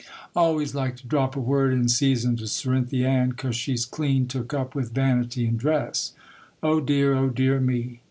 I always like to drop a word in season to Cerinthy Ann, 'cause she's clean took up with vanity and dress. Oh, dear! oh, dear me!